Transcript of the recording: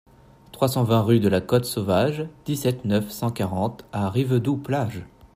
trois cent vingt rue de la Côte Sauvage, dix-sept, neuf cent quarante à Rivedoux-Plage